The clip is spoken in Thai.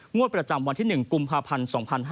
งวดประจำวันที่๑กุมภาพันธ์๒๕๕๙